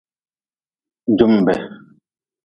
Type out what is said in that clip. Jumbe.